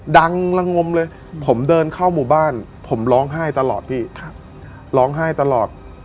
ดังละงมเลยผมเดินเข้าหมู่บ้านผมร้องไห้ตลอดพี่ร้องไห้ตลอด